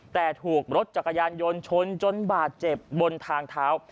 แต่ถูกรถจักรยานยนต์ชนจนบาดเจ็บบนทางเท้า